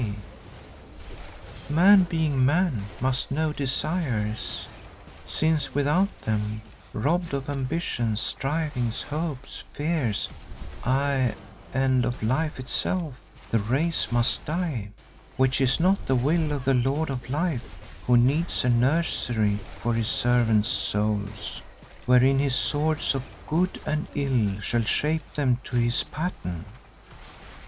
Yet, man being man must know desires, since without them, robbed of ambitions, strivings, hopes, fears, aye and of life itself, the race must die, which is not the will of the Lord of Life who needs a nursery for his servant's souls, wherein his swords of Good and Ill shall shape them to his pattern.